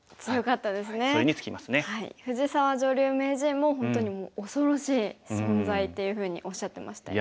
女流名人も本当に「恐ろしい存在」っていうふうにおっしゃってましたよね。